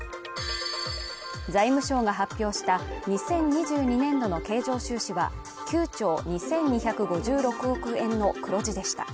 財務省が発表した２０２２年度の経常収支は９兆２２５６億円の黒字でした。